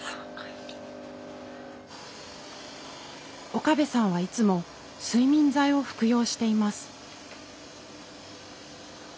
岡部さんはいつも睡眠剤を服用しています。